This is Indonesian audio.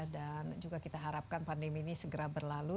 dan juga kita harapkan pandemi ini segera berlalu